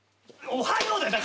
「おはよう」だ。